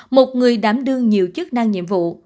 một người đảm đương nhiều chức năng nhiệm vụ